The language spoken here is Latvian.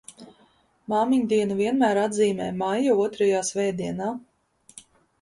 Māmiņdienu vienmēr atzīmē maija otrajā svētdienā.